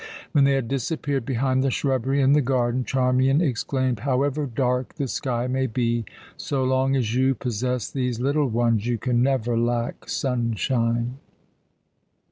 When they had disappeared behind the shrubbery in the garden Charmian exclaimed, "However dark the sky may be, so long as you possess these little ones you can never lack sunshine."